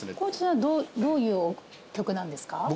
鯉斗さんどういう曲なんですか？